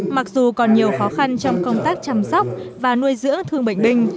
mặc dù còn nhiều khó khăn trong công tác chăm sóc và nuôi dưỡng thương bệnh binh